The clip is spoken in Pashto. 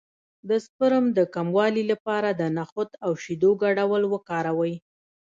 د سپرم د کموالي لپاره د نخود او شیدو ګډول وکاروئ